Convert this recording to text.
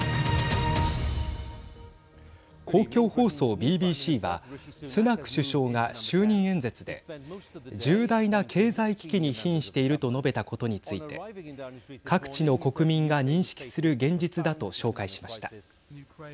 公共放送ＢＢＣはスナク首相が就任演説で重大な経済危機にひんしていると述べたことについて各地の国民が認識する現実だと紹介しました。